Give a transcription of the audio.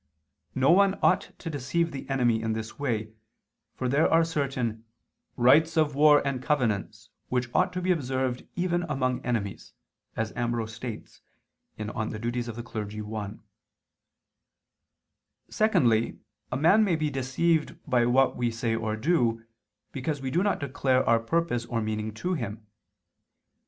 No one ought to deceive the enemy in this way, for there are certain "rights of war and covenants, which ought to be observed even among enemies," as Ambrose states (De Officiis i). Secondly, a man may be deceived by what we say or do, because we do not declare our purpose or meaning to him.